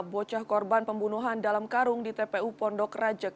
bocah korban pembunuhan dalam karung di tpu pondok rajek